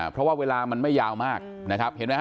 เพราะว่าเวลามันไม่ยาวมากนะครับเห็นไหมฮ